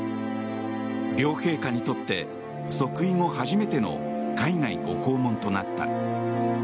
両陛下にとって即位後初めての海外ご訪問となった。